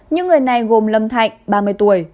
những người này gồm lâm thạnh ba mươi tuổi